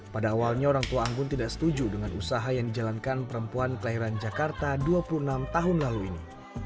pada awalnya orang tua anggun tidak setuju dengan usaha yang dijalankan perempuan kelahiran jakarta dua puluh enam tahun lalu ini